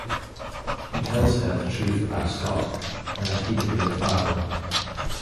He tells her the truth about Scott, and that he could be the father.